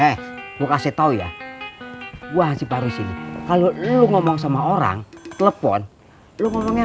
eh buka setau ya gua sih baru sini kalau lu ngomong sama orang telepon lu ngomongnya